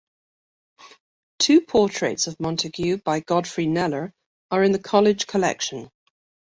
Two portraits of Montagu by Godfrey Kneller are in the college collection.